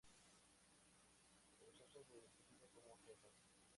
El muchacho se identifica como "Ethan".